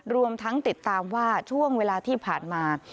รวมทั้งติดตามว่าช่วงเวลาที่ผ่านมา